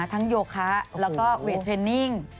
โยคะแล้วก็เวทเทรนนิ่ง